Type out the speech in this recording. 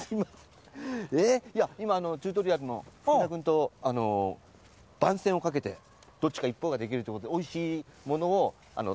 今チュートリアルの福田君と番宣を懸けてどっちか一方ができるってことでおいしいものをタカトシに。